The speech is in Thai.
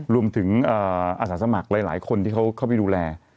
รวมถึงอาสาสมัครหลายคนที่เขาเข้าไปดูแล